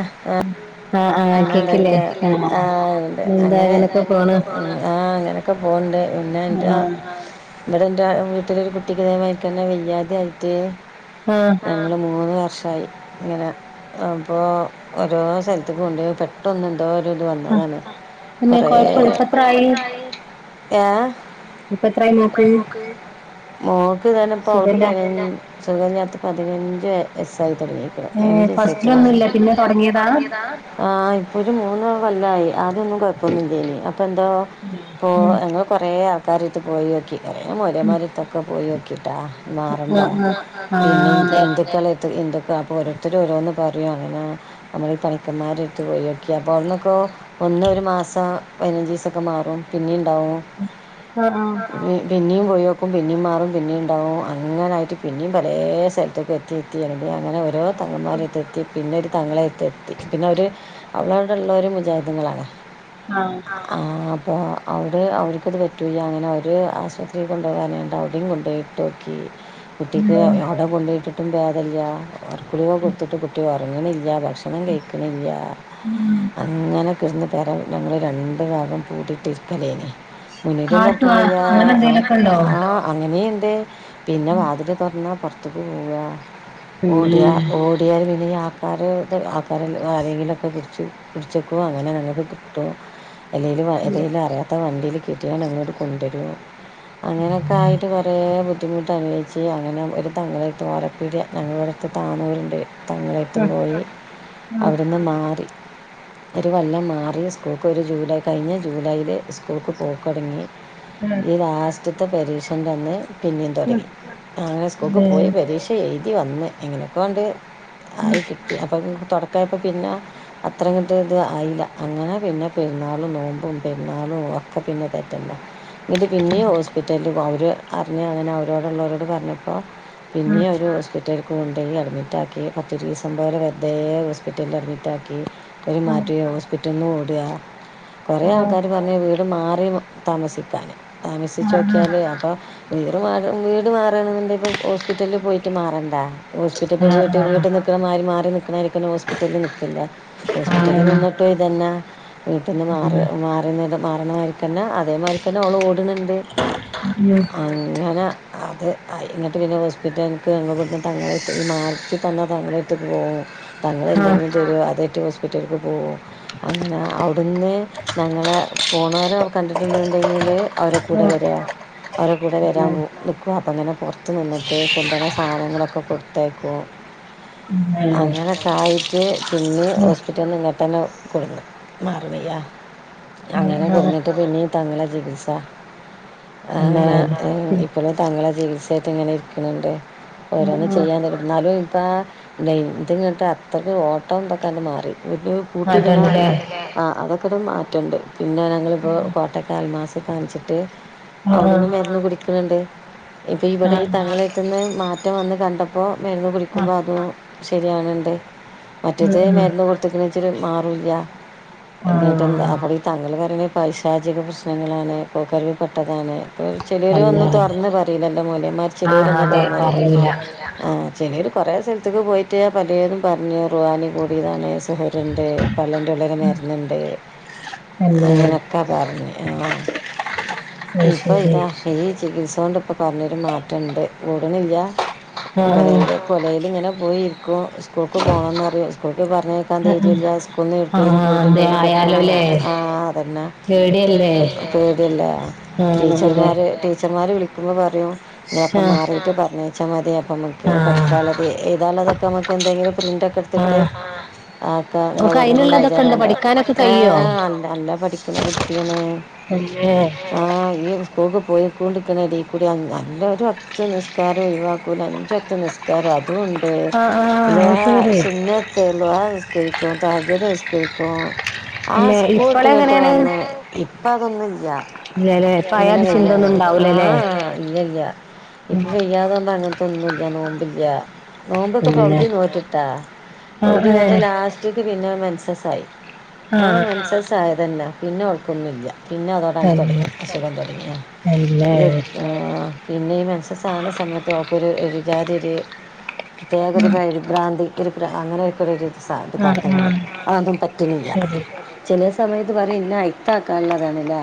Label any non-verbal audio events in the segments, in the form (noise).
ആ ആ ആഹ് ആ ആഹ് കേക്കില്ലേ അതൊക്കെ ആഹ് (unintelligible) ആ ആഹ് എന്താ അങ്ങനെ അങ്ങനൊക്കെ പോണ് ഒക്കെ പോക്ണ്ട് പിന്നെ ൻ്റെ. ആഹ് ഇവിടെ ന്റെ ആ വീട്ടിലൊരു കുട്ടിക്ക് (unintelligible) വെയ്യാതായിട്ട്. ആഹ്- ഞങ്ങൾ മൂന്ന് വർഷായി ഇങ്ങനെ അം - ഇപ്പോ ഓരോ സ്ഥലത്തക്ക് കൊണ്ടോയി പെട്ടൊന്നും. എന്തോ ഒര് ഇത് ആഹ് വന്നതാണ് പിന്നെ കൊറേ കൊഴപ്പ കൊഴപ്പില്ല ഇപ്പത്രായി ഇപ്പെത്രായി ഏഹ് ഇപ്പെത്രായി മോക്ക് മോക്ക് ഇതറിഞ്ഞപ്പോ അവക്ക് സുഖല്ല പതിനഞ് സുഖ ഇല്ലാത്ത പതിനഞ്ച് വയസ്സായി തൊടങ്ങി. ഏഹ് (unintelligible) ഫസ്റ്റിലൊന്നുല്ല പിന്നെ തൊടങ്ങിയതാ തൊടങ്ങിയതാണ് ആഹ് ഇപ്പൊരു മൂന്ന് കൊല്ലായി ആദ്യൊന്നും കൊ (unintelligible) അപ്പെന്താ പോ ഉം ഞങ്ങള് കൊറേ ആൾക്കാരടടുത്ത് പോയ് നോക്കി ഉം (unintelligible) പോയി നോക്കീട്ടാ മാറണ്ട ആഹ് ആഹ് പിന്നെ ആഹ് അതെ ഹിന്ദുക്കളേട്ട് ഹിന്ദുക്ക അപ്പൊ ഓരോരുത്തരോരോന്ന് പറയാ അങ്ങനെ നമ്മൾ ഈ പണിക്കന്മാരെ എടുത്ത് പോയോക്കി അപ്പ അവിടുന്നക്കോ ഒന്ന് ഒരു മാസം പതിനഞ്ച് ദിവസൊക്കെ മാറും പിന്നേ ഇണ്ടാവും. ആഹ് ആഹ് പിന്നെയും പോയി നോക്കും പിന്നെയും മാറും പിന്നെയും ഇണ്ടാവും അങ്ങനായിട്ട് പിന്നെയും പലേ സ്ഥലത്ത് എത്തിയെത്തി (unintelligible) അങ്ങനെ ഓരോ (unintelligible) പിന്നെ ഒരു തങ്ങളേട്ടെത്തി പിന്നെ അവര് അവളവടിള്ളേര് മുജാദിങ്ങളാണ് ആഹ് ആഹ് ആഹ് അപ്പൊ അഹ് അവര് അവരിക്കത് പറ്റൂല്ലാ അങ്ങനെ അവര് ആശുപത്രീല് കൊണ്ടുപോവാനായിട്ട് അവിടെയും കൊണ്ടുപോയിട്ട് കി കുട്ടിക്ക് അവിടെ കൊണ്ടയിട്ടിട്ടും ഭേദില്ല ഒർക്കഗുളിക ഉം കൊടുത്തിട്ട് കുട്ടി ഒറങ്ങണില്ല പ ണം കഴിക്കണില്ല്യ ഉം അങ്ങനെ കെടന്ന് (unintelligible) ഞങ്ങള് രണ്ട് ഭാഗം പൂട്ടീട്ടിരിക്കലേനി. മുന്നി ഒട്ടും കാട്ടുവ തൊറക്കാൻ വയ്യ അങ്ങനെ എന്തേലൊക്കെ അഹ് ഉണ്ടോ ആഹ് അങ്ങനേം ഇണ്ട് പിന്നെ വാതില് തൊറന്നാ പൊറത്തേക്ക് പോവുക പിന്നെ ഓടുവാ ഓ (unintelligible) പിന്നിനി ആൾക്കാര്ത്ത് ആൾക്കാര് (unintelligible) ആരേങ്കിലുവൊക്കെ കുറിച്ച് കുടിച്ചക്കോ അങ്ങനെ ഞങ്ങക്ക് കിട്ടോ അല്ലെങ്കിലും വ ഉം ഏതെങ്കിലും അറിയാത്ത വണ്ടിയിൽ കെട്ടിയോൻ അങ്ങട്ട് കൊണ്ടരും അങ്ങനൊക്കെ ആയി ആട്ട് കൊറേ ബുദ്ധിമുട്ട് അനുഭവിച്ച് അങ്ങനെ ഒരു തങ്ങളായിത്ത് (unintelligible) ഞങ്ങടടുത്ത് താണവരുണ്ട് ഉം തങ്ങളേട്ത്ത്ക്ക് പോയി ഉം ഉം അവിടുന്ന് മാറി ഒരു കൊല്ലം മാറി സ്കൂക്ക് ഒരു ജൂലൈ കഴിഞ്ഞ ജൂലൈല് സ്കൂക്ക് പോക്ക് തുടങ്ങി ഈ ലാസ്റ്റ്ത്തെ പരീക്ഷന്റെ അന്ന് പിന്നെ തുടങ്ങി അങ്ങനെ സ്കൂൾക്ക് പിന്നെ പോയി പരീക്ഷ എഴുതി വന്ന് എങ്ങനെ ക്കൊ ണ്ട് ഉം ആയി കിട്ടി അപ്പം പിന് തൊടക്കായ പ്പം പിന്നെ അത്രങ്ങട്ട് ഇത് ആയില്ല അങ്ങനെ പിന്നെ പെരുന്നാളും നോമ്പും പെരുന്നാളും ഒ അപ്പ പിന്നെ തെറ്റണ്ട എന്നിട്ട് പിന്നെയും ഹോസ്പിറ്റലിൽ പോ അവര് അറിഞ്ഞ് അങ്ങനെ അവരോടുള്ളവരോട് പറഞ്ഞപ്പോ പിന്നെ ഒര് ഹോസ്പിറ്റല്ക്ക് കൊണ്ടോയി അഡ്മിറ്റ് ആക്കി പത്തിരുപത് ദിവസം പോലെ വെർതേ ഹോസ്പിറ്റലിൽ അഡ്മിറ്റാക്കി ഒരു ഉം മാറ്റോം പിറ്റന്ന് ഓടാ കുറെ ഉം ആൾക്കാര് പറഞ്ഞ് വീട് മാറി താമസിക്കാന് താമസിച്ച് ആഹ് ആഹ് യോക്കിയാല് അപ്പം വീർ മാറ് വീട് മാറണെന്നുണ്ട ഇപ്പ ഹോസ്പിറ്റലിൽ പോയിട്ട് മാറണ്ടാ ആഹ് ഹോസ്പിറ്റലി (unintelligible) ആഹ് ആഹ് നിക്ക്ണ മാറി മാറി നിക്ക്ണാരിക്കന്നെ ഹോസ്പിറ്റല് ലും നിക്കണ്ടേ ഹോസ്പിറ്റല് നിന്നിട്ട് ഇതന്നെ വീട്ട് ന്ന് മാറി നാട്ടിലുണ്ടല്ലേ മാറന്നത് മാറുന്ന മാരിക്ക ന്നെ അതേമാരി തന്നെ ഓള് ഓട്ണ് ണ്ട് അങ്ങനെ അത് എന്നിട്ട് പിന്നെ ഹോസ്പിറ്റൽക്ക് ഞങ്ങൾ ഇവിടുന്ന് (unintelligible) തന്നെ തങ്ങളടുത്ത്ക്ക് പോകും തങ്ങള് എന്തെങ്കിലും തരും അതയ്ട്ട് ഹോസ്പിറ്റല്ക്ക് പോകും അങ്ങന അവിടുന്ന് ഞങ്ങള പോണവര കണ്ടിട്ടുണ്ടന്നെണ്ടെങ്കില് അവരെ കൂടെ വരാം അവരെ കൂടെ വരാൻ ന്ന് നി ക്കും അപ്പം അങ്ങനെ പുറത്ത്നിന്നിട്ട് കുണ്ടന്ന സാനങ്ങളൊക്കെ കൊടുത്തയക്കും അങ്ങനൊക്കൊ ആയി് ക്കെ പിന്നെ ആഹ് ഹോസ്പിറ്റല്ന്ന് ഇങ്ങട്ടന്നെ കൊട്ന്ന് മാറ്ണ് ല്ല അങ്ങനെ കൊണ്ടന്നിട്ട് പിന്നേം തങ്ങളെ ചികിത്സ അങ്ങനെ ഇപ്പോഴും തങ്ങളെ ചികിത്സായിട്ട് ഇങ്ങനെ ഇരിക്ക്ണ് ണ്ട് ഓരോന്നും ചെയ്യാൻ തരും എന്നാലും ഇപ്പം നെയന്തി അത്രയ്ക്ക് ഓട്ടംന്തൊക്കെ അങ് മാറി ഒരു കൂട്ടിടണ തന്നെ ആഹ് അതൊക്കെ പിന്നെ ഞങ്ങളിപ്പോ കോട്ടക്കൽ അൽമാസ് കാണിച്ചിട്ട് അവ്ട്ന്ന് മരുന്ന് കുടി ന്നുണ്ട് ഇക്ക് ഇവിടെ ഈ തങ്ങളെ ടുത്ത് ന്ന് മാറ്റം വന്ന് കണ്ടപ്പോ മെരുന്ന് കുടിക്കുമ്പോ അതും ശരിയക്ണ്ട് മറ്റേത് മരുന്ന് കൊടുത്തക്കണച്ചിട്ട് മാറൂല ന്നിട്ട് ആഹ് (unintelligible) തങ്ങല് പറയണ് പൈശാചിക പ്രശ്നങ്ങളാണ് പോക്ക് വരവിപെട്ടെതാണ് അപ്പോ ചിലര് ഒന്നും തുറന്ന് പറയില്ല മോലിയമാർ ചിലിയരൊന്നും അതെ തുറന്നറിയില്ല പറയൂല ആ ചിലിയർ കുറെേ സ്ഥലത്തേക്ക് പോയിട്ട് പലേതു പറഞ് റുഹാനി കൂടിയതാണ് സിഹ്ർണ്ട് പള്ളൻ്റെ ഉള്ളിൽ മരുന്ന്ണ്ട് തന്നെ അങ്ങനെയൊക്കെ പറഞ്ഞു ആ അത് ഇപ്പൊ ശരി ഇതാ ഈ ചികിത്സ ണ്ട് ഇപ്പൊ പറഞ്ഞൊരു മാറ്റണ്ട് കുട്ണില്ല ആഹ് കൊലായില് ഇങ്ങനെ പോയിരിക്കും സ്കൂൾക്ക് പോണം പറയൂ സ്കൂൾക്ക് പറഞ്ഞായ് ആഹ് ധൈര്യംല്ല സ്കൂളിൽനിന്ന് എവിടേക്ക് ആഹ് ങ്കിലും അതെ പോയിട്ടുണ്ടെലും പിന്നെ ആയാലോല്ലേ പെട്ടന്ന് ആഹ് അതന്നെ. പേടിയല്ലേ പേടിയല്ലേ, ആഹ് അതെ ടീച്ചർമാര് ടീച്ചർമാര് വിളി നക്കുമ്പ പറയും ങ്ങളൊക്കെ ആഹ് മാറിട്ട് പറഞ്ഞച്ചാൽ മതി അപ്പ നമുക്ക് ആഹ് പഠിക്കാലുള്ളത് എഴുതാൻ ഉള്ളത് തൊക്കെ നമുക്ക് എന്തെങ്കിലും പ്രിന്റ് ഒക്കെ എടുത്തിട്ട് ആഹ് കാക്ക ഓക്ക് നിങ്ങൾ ഇതുഓണ്ട് ഒന്നും അയിനുള്ളതൊക്കെ ഉണ്ടോ വേജാറാവണ്ട പഠിക്കാനൊക്കെ ഏ കഴിയോ നല്ല പഠിക്ക്ണ കുട്ടിയാണ്. (unintelligible) ആഹ് ഈ സ്കൂൾക്ക് പോയിക്കൊണ്ടിരിക്കണടീൽ കൂടി നല്ലൊരു വഖ്ത് നിസ്കാരം ഒയുവാ അഞ്ചു വഖ്ത്ത് നിസ്കാരം അധുണ്ട് ആഹ് ആഹ് അത് ളുഹ ശരി സുന്ന ളുഹനിസ്ക്കരിക്കും താഹജ്ജുദ്നിസ്കരിക്കും ആഹ് അല്ലെ സ്കൂൾ ഇപ്പള ട്ട്ങ്ങിട്ട് എങ്ങനെയാണ് വന്ന് ഇപ്പ അതൊന്നുംല്ല (unintelligible) ഇല്ലല്ലേ ഇപ്പ അയാത് ചിന്ത ഒന്നും ആ ഉണ്ടാവൂലല്ലേ ഇല്ല ഇല്ല ഇപ്പൊ വെയ്യാതൊണ്ട അങ്ങ ന്നുംല്ല നോമ്പില്ല നോമ്പൊക്കെ പിന്നെ പകുതി നോറ്റിട്ടാ ആഹ് പകുതി നോ ഏഹ് ലാസ്റ്റ് പിന്നെ മൻസസ് ആയി ആ ആഹ് മൻസസ് ആയതന്നെ പിന്നെ ഓൾക്ന്നുല്ല പിന്നെ അതോടാണ് തന്നെ തൊടങ്ങി അസുഖം തൊടങ്ങി തന്നെ ഇവ പിന്നെ ഈ മൻസസ് ആക്ണ സമയത്ത് ഓക്ക് ഒരു ഒരു ജാതിരു പ്രത്യേക ഒരു കഴിവ് ഭ്രാന്തിക്ക് ഒരു അങ്ങനെയൊക്ക ഒരു ഇത് ആഹ് ആഹ് കാട്ടലാണ് ആഹ് അതൊതും പറ്റുനില്ല. ശരി ചേലെ സമയത്ത് പറയും ഇന്ന അയിത്ത ആക്കാള്ളതാണല്ലേ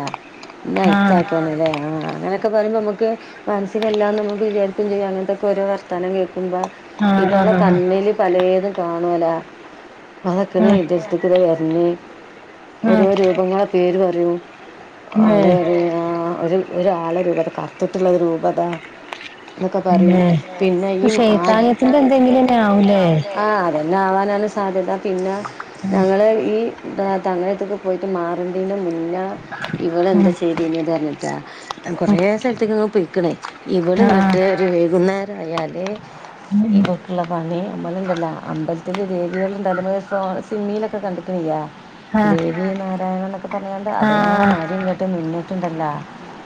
ഇന്ന ആഹ് അയിത്താകാണല്ലേ ആഹ് അങ്ങനെ ഒക്കെ പറയ്പൾ നമുക്ക് മനസില്ലാം നമുക്ക് വിചാരിക്കും ചെയ്യും അങ്ങനത്തെക്ക ഓരോ വർത്താനം കേക്കുമ്പ പിന്നെ ആഹ് ഓളെ ആഹ് കണ്ണില് പലതും കാണുവലാ അതക്കണ ആഹ് ഇന്റെ എരുത്ക്ക് തേ വര്ന്ന് ആഹ് ഓരോ രൂപങ്ങളെ പേര് പറയും ഏഹ് അവളെ ഏഹ് ആ ഒരു ഒരു ഒരാളെ രൂപത കർത്തിട്ടുള്ള രൂപതാ ഒക്കെ പറയൂ പിന്നെ പിന്നെ ഈ ആഹ് ശൈത്താനത്തിന്റെ എന്തെങ്കിലുംന്നെ ആവൂലേ ആഹ് അതന്നെ ആവാനാണ് സാധ്യത പിന്നെ ഞങ്ങള് ഈ തങ്ങളര്ത്തുക്ക് പോയിട്ട് മാറന്റന്നെ മുന്നേ ഇവള ഉം എന്താ ചെയ്തിന്നത്അറിഞ്ഞിട്ടാ ഉം കൊറേ സ്ഥലത്ത്ക്കക്കേ പൊയ്ക്ക്ണ് ആഹ് ഇവൾഇങ്ങട്ട് ഒരു വൈകുന്നേരം ആയാല് ഉം ഇവൾക്ക്ള്ള പണി ഇബ്ൾണ്ടല്ലോ അമ്പലത്തില് ദേവികളുണ്ടാലോ സിമ്മിയിലൊക്കെ കണ്ടക്ക്ണ്ല്ലേ ആഹ് ദേവി നാരായണന്നൊക്കെ പറയാഞഞ്ഞ്കാണ്ട് ആഹ് അതേമാരി ഇങ്ങോട്ട് നിന്നിട്ടുണ്ടല്ലോ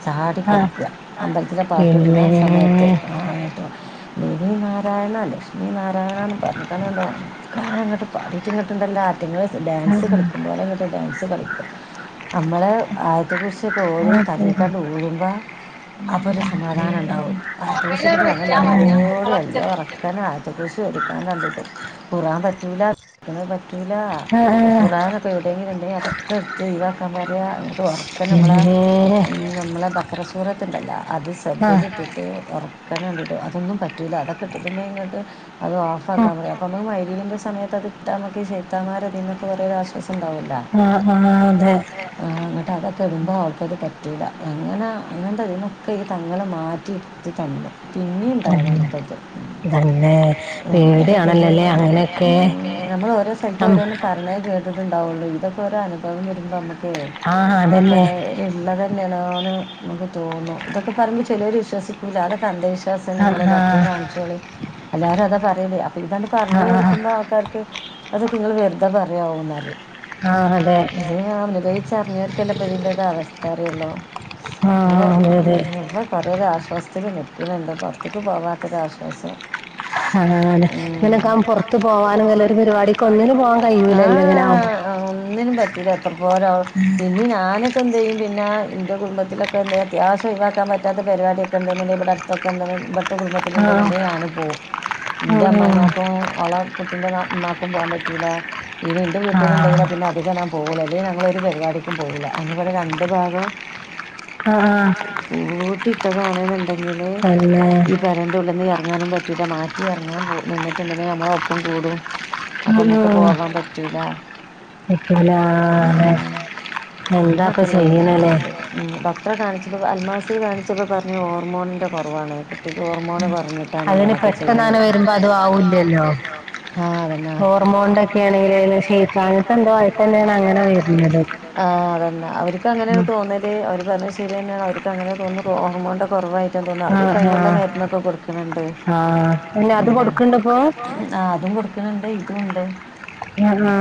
ചാടി ആഹ് കളിക്ക അമ്പലത്തിൽ പാട്ട് ഇട്ണ പിന്നെ സമയത്ത് (unintelligible) ദേവി നാരായണ ലക്ഷ്മി നാരായണന്ന് പറഞ്ഞുകാണ്ട് ഒറക്കന്നേ ഇങ്ങട്ട് പാടിയിട്ട് ഇങ്ങട്ടുണ്ടല്ലാ ആറ്റിങ്ങൾ ഡാൻസ് ആഹ് കളിക്കും പോലെ ഇങ്ങോട്ട് ഡാൻസ് കളിക്കും. നമ്മള് ആയത്ത്കുറിസ്സിക്കെ ഓതി ആഹ് ശരി തലേക്കെങ്ങട്ട് ഊതുമ്പോ അപ്പൊ ഒരു സമാധാനം ഉണ്ടാവും ആയത്ത്കുറിസ്സിക്കെ മൊബൈലവിടെ ഞങ്ങള് വെച്ചാ നല്ല മതി പോലെ ഒർക്കനെ ആയതുകുറുസ്സി ഓതി കാണ്ട് (unintelligible) ഖുർആൻ പറ്റൂല (unintelligible) പറ്റൂല ആ ആ ഖുർആൻ എവിടെയെങ്കില ഉണ്ടെങ്കിൽ അതൊക്കെ എടുത്ത്‌ഒഴിവാക്കാൻ പറയ ഉറക്ക നമ്മള എന്തേ നമ്മള ബക്കറ സൂറത്തുണ്ടല്ലോ അത് ആ സെബ്ബിലിട്ടിട്ട് ഒറക്കനട് ഒന്നും പറ്റൂല അതൊക്കെ ഇട്ടിട്ടുണ്ടെ ഇങ്ങോട്ട് അത് ഓഫ് ആ ആകാൻ പറയാ അപ്പൊ ന മൈലീന്റെ സമയത്ത് ഇട്ടാ നമുക്ക് ശൈത്താൻ മാരെ അതിൽന്നൊക്കെരു ആശ്വാസംണ്ടാവല്ലോ ആഹ് ആഹ് അതെ അങ്ങട്ട് അതൊക്കെ ഇടുമ്പോൾ അവൾക്കത് പറ്റൂല്ല എങ്ങനെ അങ്ങനത്തെ ഇതിനൊക്കെ ഈ തങ്ങളെ മാറ്റി ഇത് തന്നു പിന്നീ തന്നെ ഉണ്ടാവതപ്പ ത് തന്നെ എന്തക്ക പേടിയാണല്ലോ അല്ലേ ചെയണ അങ്ങനെയൊക്കെ നമ്മൾ ഓരോ സ്ഥലത്ത അം, ഓരോന്ന് പറഞ്ഞ കേട്ട ണ്ടാവുള്ളൂ ഇതൊക്കെ ഒരുരനുഭവം വരുമ്പോ നമുക്ക് ആ ഇതൊക്കെ അതന്നെ എള്ള തന്നെയാണോന്ന് നമുക്ക് തോന്നുന്നു ഇതൊക്കെ പറുമ്പോൾ ചിലവർ വിശ്വസിക്കുല്ല അതൊക്കെ അന്ധവിശ്വാസം ആ ആ നിങ്ങള്തൊട്ടൽ കാണിച്ചോളി എല്ലാരും അതാ പറയല് അപ്പൊ ഇതണ്ട് ആ പറഞ്ഞു ആ, കൊടുക്ക്പോ ആൾക്കാർക്ക് അതൊക്കെ ഇങ്ങൾ വെറുതാ പറയാവും എന്നറ ആ അതെ അനുഭവിച്ചറിഞ്ഞോർക്ക് അല്ലെ ഇതിന്റെരു അവസ്ഥാ അറിയൊള്ളു ആഹ്‌ അതെ അതെ കുറേരാശ്വാസത്തിൽ നിൽക്കണ്ണ്ട് പുറത്തക്ക് പോകാത്തൊരുരാശ്വാസം ആ അതെ ഇങ്ങനൊക്കെ ആകുമ്പോൾ ഇനൊക്ക പുറത്ത് പുറത്ത പോവാനും വല്ല പോവാനുംല്ല ഒരു പരിപാടിക്ക് പരിപാടി ഒന്നിനും പോകാൻ കഴിയൂലല്ലോ ഇങ്ങനെ ആകുമ്പോ ആഹ് ഒന്നിനും പറ്റൂല എത്ര പോര പിന്ന ഞാനൊക്കെ എന്ത് ചെയ്യ പിന്നെൻ്റെ കുടുംബത്തിലൊക്കെ എന്ത ചെയ്യാ അത്യാവശ്യ ഒഴവാക്കാൻ പറ്റാത്ത പരിപാടിയക്കെ ഉണ്ടെങ്കിൽ ഇവിടെ ഇതൊക്കെണ്ട ഇടുത്തെ ആ കുടുംബത്തിലൽണ്ടെങ്കെ ഞാൻ പോകവും ആ എൻ്റെ അമ്മയിമാക്കും അവള കുട്ടിൻ്റെ ഇമ്മാക്കും പോകാൻ പറ്റൂല്ല ഇീടി എന്റെ ആ വീട്ടിൽ ഉണ്ടെങ്കില പിന്നെ അധികം പോവോള്ളൂ അത ഞമ്മൾ ഒരു പരിപാടിക്കും പോകില്ല അങ്ങ രണ്ട് ഭാഗം ആ ആ, ഊട്ടിട്ടതന്നണ്ടെങ്കില് പിന്നെ പേരൻ്റെ ഉളളിൽ ഇറങ്ങാനും പറ്റുല്ല മാറ്റിറങ്ങാൻ പോ നിട്ടുണ്ടെങ്കിൽ നമ്മള ഒപ്പം കൂടും ഉം, അപ്പൊ മ്മക്ക് പോകാൻ പറ്റൂല (unintelligible) ആഹ് അതെ എന്താ അപ്പം ചെയ്യണല്ലേ ഉ ഡോക്ടറെ കാണിച്ചപ്പോ അൽമാസിയിൽ കാണിച്ചപ്പോ പറഞ്ഞു ഹോർമോണിന്റെ കുറവാണ് കുട്ടിക്ക് ഹോർമോൺ കുറഞ്ഞിട്ട് (inaudible) പെട്ടെന്ന് അതിന് പെട്ടെന്ന് അങ്ങനെ അത് വരുമ്പോ അതും ആവില്ലല്ലോ ആവൂല്ലാലോ ഹാ തന്ന ഹോർമോൺ ന്റെ ഒക്കെ ഷേപ്പ് കാര്യായിട്ട് എന്തോ ആയിട്ടന്നെയാണ് അങ്ങനെ വരുന്നത് ആഹ്‌ അതന്നാ അവർക്ക് അങ്ങനെ ഉം. തോന്ന മ അവർ പറഞ്ഞത് ശരി തന്നാണ് അവർക്ക് അങ്ങനെ തോന്നുന്നു ഹോർമോൺ ന്റെ കുറവായിട്ടാ തോന്നുന്നത് ആ അവർ ആ അയന്ള്ള മരുന്നൊക്കെ കൊടുക്കണണ്ട് ആ പിന്നെ അത് കൊടുക്കണ്ട് ഇപ്പോ ആഹ്‌ അതും കൊടുക്കണണ്ട് ഇതും ഉണ്ട് ആ ആ.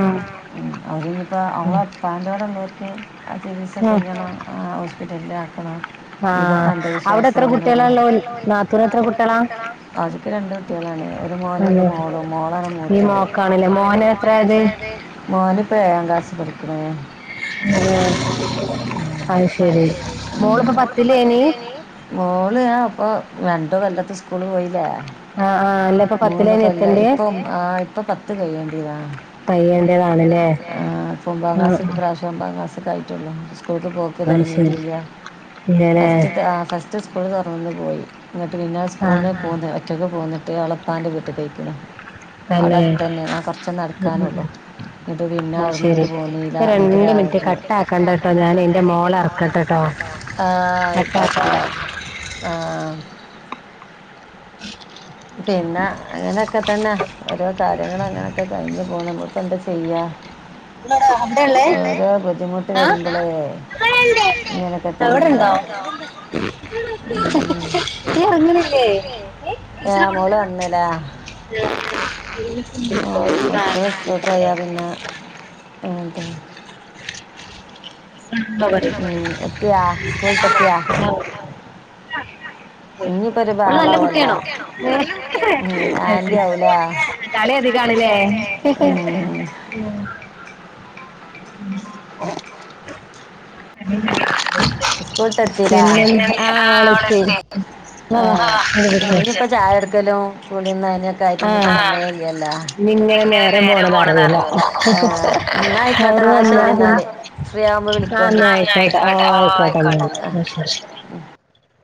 അവരീനി ഇപ്പോൾ ഉം. അവളെ ഇപ്പന്റോടെ ചികിത്സ ഉം. ചെയ്യണം ഇടെല്ലാം ആക്കണം ഇതൊക്കെ ആഹ അവിടെ അന്ധവിശ്വാസം എത്ര എന്ന് കുട്ടികളാല്ലോ നാത്തൂന് എത്ര കുട്ടികളാ അത് ഓൽ രണ്ട് കുട്ടികളാണ് ഒരു മോനും ഒരു അതെ മോളും മോളാണ് ഈ മൂത്തത് മോക്കാണല്ലേ മോന് മോൻ എത്രയായത് എത്രയത് മോനീപ്പ എഴാം ക്ലാസ്സിൽ പഠിക്കണ് ഉ അ ശരി മോളിപ്പോ മോളിപ്പ പത്തിലേനി പത്തില്ലേനീ മോള് ആഹ് ഇപ്പൊ രണ്ട് കൊല്ലത്തെ സ്കൂള് പോയില്ലേ ആ ആ അല്ല ഇപ്പൊ മൂന്ന് പത്തിലേനി കൊല്ലായി എത്തണ്ടേ ഇപ്പ ആഹ ഇപ്പൊ പത്ത് കഴ്യേണ്ടിതാ ആഹ് കയ്യണ്ടിയത് പയ്യേണ്ടതാണല്ലേ ആണ് ലെ ഇപ്പൊ ഒൻമ്പ ആ ക്ലാസ്സ്‌ ആ ഇപ്രാവശ്യം ഇപ്പം ഒമ്പാം ക്ലാസ്സൊക്കെ ആയിട്ടുള്ളൂ സ്കൂളക്ക് പോക്ക അത് ശരി തുടങ്ങിയിട്ടില്ല ഇല്ലല്ലേ ഫസ്റ്റ് ഫസ്റ്റ് ഫസ്റ്റ് സ്കൂളിൽ തുറന്നന്ന് പോയി എന്നിട്ട് പിന്നെ ആ സ്കൂളിന്ന ആ പോകുന്ന ഒറ്റക്ക് പോന്നിട്ട് ഓളപ്പാന്റെ വീട്ടിക്ക് പൊയ്ക്കൻ അവിടെ തന്നെ അടുത്ത തന്നെയ കുറച്ച നടക്കാനള്ളു എന്നിട്ട് പിന്നെ ആ അവിട്ന്ന് ശരി ഇങ്ങിട്ട് പോന്നീല്ല ഇപ്പൊ എന്നിട്ട് രണ്ട് മിനിറ്റ് കട്ടാക്കണ്ട കേട്ടോ ഞാൻ എന്റെ മോളെ ഇറക്കട്ടെ കേട്ടോ ആഹ് ആയിക്കോട്ടെ കട്ടാക്കണ്ട ആഹ് ആഹ് പിന്നെ അങ്ങനെക്കെ തന്നെ ഓരോ കാര്യങ്ങൾ അങ്ങനെക്കെ കഴിഞ്ഞു പോണ് നമുക്ക് എന്താ ചെയ്യാ ഇവിടെടാ, അവിടെ ഉള്ളേ ഓരോ ബുദ്ധിമുട്ട് ആ വരുമ്പളേ ഇങ്ങനൊക്കെ തന്നെല്ല അങ്ങനെല്ലേ എ മോള് വന്നിലെ ആഹ് മക്കള് സ്കൂൾക്ക് കാണില്ലേ. പോയ പിന്നെ അതെ അവ ഉം എത്തിയാ സ്കൂൾ ട്ട് എത്തിയാ ആ, പോയി. ഇനി അവള് നല്ല ബഹളാവല്ലോ കുട്ടിയാണോ ഏ, ഉം ആ, ശരി. ആന്റി ആവുലെ കളി അധികാണല്ലേ ഉം (unintelligible) (inaudible) പി (inaudible) സ്കൂൾട്ട് എത്തി ലെ അവളെത്തി വാ വാ ഇത് പിടിച്ചോ ഏഹ് ചായ കൊടുക്കലും കുളീം നനിം ഒ കഴിഞ്ഞിട്ട് ആ സമയല്ലല്ലോ ഇങ്ങനെ നേരം പോണത് അറിയൂല ആഹ് ന്നാ ആയിക്കോട്ടെ അവര് എന്നാ വന്നാ ശരി പിന്നെ ന്നാല് ഫ്രീ ആവുമ്പോ ആ വിളിക്കൊണ്ടി എന്നാ ആയിക്കോട്ടെ ഓ ആയിക്കോട്ടെ എന്നാ വിളിക്കാട്ടന്നാ ആ ആഹ് ശരി